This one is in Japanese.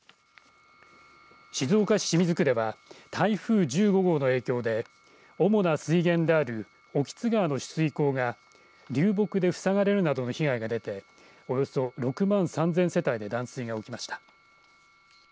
静岡市清水区では台風１５号の影響で主な水源である興津川の取水口が流木で塞がれるなどの被害が出ておよそ６万３０００世帯で断水が起きました。